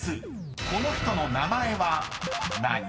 ［この人の名前は何？］